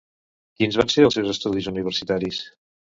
Quins van ser els seus estudis universitaris?